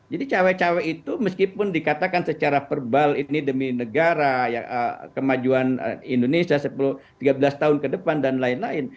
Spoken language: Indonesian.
jadi cewek cewek itu meskipun dikatakan secara perbal ini demi negara kemajuan indonesia tiga belas tahun ke depan dan lain lain